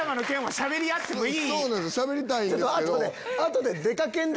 しゃべりたいんですけど。